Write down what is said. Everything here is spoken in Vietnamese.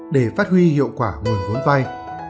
để phát huy hiệu quả nguồn vốn vay